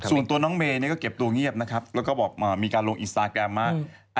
ส่วนตัวน้องเมย์ก็เก็บตัวเงียบนะครับแล้วก็บอกมีการลงอินสตาแกรมว่า